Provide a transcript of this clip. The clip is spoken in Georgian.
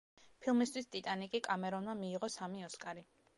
ფილმისთვის „ტიტანიკი“ კამერონმა მიიღო სამი ოსკარი.